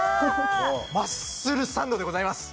マッスルサンドでございます